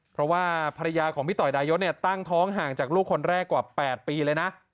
เพราะว่าภรรยาของพี่ต่อยดายศตั้งท้องห่างจากลูกคนแรกกว่า๘ปีเลยนะ